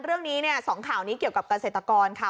เรื่องนี้เนี่ย๒ข่าวนี้เกี่ยวกับเกษตรกรค่ะ